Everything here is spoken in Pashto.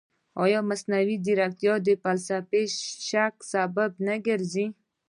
ایا مصنوعي ځیرکتیا د فلسفي شک سبب نه ګرځي؟